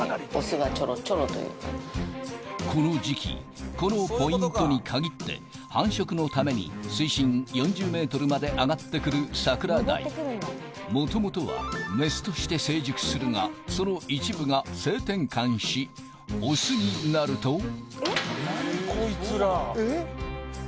この時期このポイントに限って繁殖のために水深４０ｍまで上がって来るサクラダイもともとはその一部が性転換しオスになるとえっ？